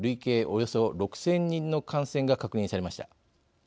およそ６０００人の感染が確認されました。